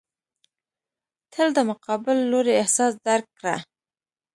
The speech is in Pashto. تل د مقابل لوري احساس درک کړه.